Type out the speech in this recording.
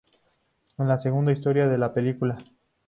Es la segunda historia de la película.